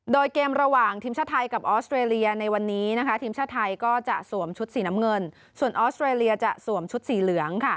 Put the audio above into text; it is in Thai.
โดยเกมระหว่างทีมชาติไทยกับออสเตรเลียในวันนี้ทีมชาติไทยก็จะสวมชุดสีน้ำเงินส่วนออสเตรเลียจะสวมชุดสีเหลือง